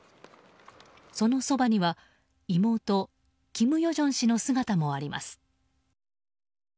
そのそばには妹・金与正氏の姿もあります。